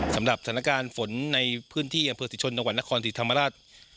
สำหรับสถานการณ์ฝนในพื้นที่อำเภอศรีชนจังหวัดนครศรีธรรมราช